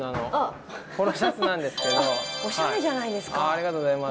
ありがとうございます。